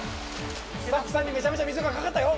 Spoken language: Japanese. ・スタッフさんにめちゃめちゃ水がかかったよ！